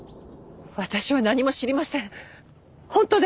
私は何も知りません。